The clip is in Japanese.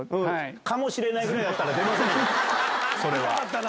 かもしれないぐらいだったら、見たかったな。